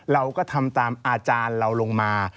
เราก็ทำตามอาจารย์เราลงมา